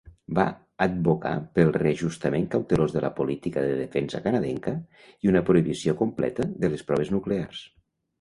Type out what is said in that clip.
Va advocar pel reajustament cautelós de la política de defensa canadenca i una prohibició completa de les proves nuclears.